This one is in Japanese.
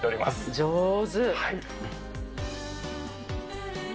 上手。